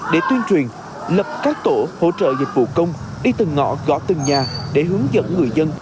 để tuyên truyền lập các tổ hỗ trợ dịch vụ công đi từng ngõ gõ từng nhà để hướng dẫn người dân